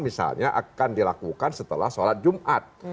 misalnya akan dilakukan setelah sholat jumat